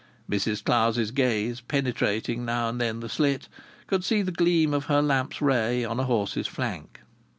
Mrs Clowes's gaze, penetrating now and then the slit, could see the gleam of her lamp's ray on a horse's flank.